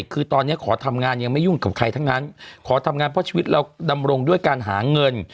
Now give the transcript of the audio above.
คือตอนนี้ขอทำงานยังไม่ยุ่งกับใครทั้งนั้นขอทำงานเพราะชีวิตเราดำรงด้วยการหาเงิน